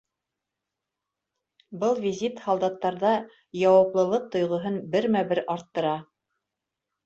Был визит һалдаттарҙа яуаплылыҡ тойғоһон бермә-бер арттыра.